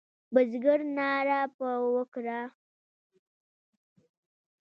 بزګر ناره پر وکړه.